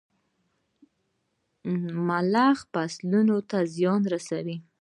ملخان فصلونو ته زیان رسوي.